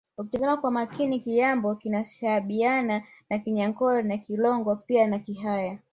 Ukitazama kwa makini Kinyambo kinashabihiana na Kinyankole na Kilongo pia na Kihaya